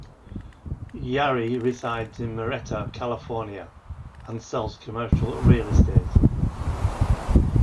Yary resides in Murrieta, California, and sells commercial real estate.